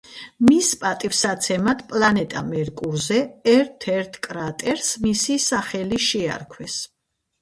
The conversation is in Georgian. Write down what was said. მის პატივსაცემად პლანეტა მერკურზე ერთ-ერთ კრატერს მისი სახელი შეარქვეს.